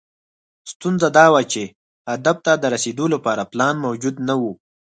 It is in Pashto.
ستونزه دا وه چې هدف ته د رسېدو لپاره پلان موجود نه و.